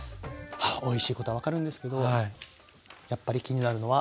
おいしいことは分かるんですけどやっぱり気になるのは。